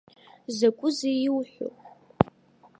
Закәызеи иуҳәо?!